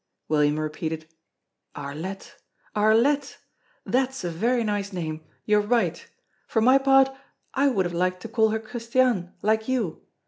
William repeated: "Arlette! Arlette! That's a very nice name you are right. For my part, I would have liked to call her Christiane, like you.